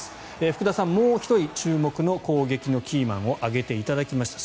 福田さん、もう１人注目の攻撃のキーマンを挙げていただきました。